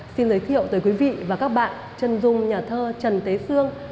xin giới thiệu tới quý vị và các bạn trần dung nhà thơ trần thế sương